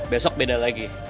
besok beda lagi